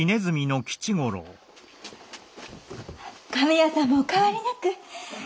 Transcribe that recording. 亀屋さんもお変わりなく。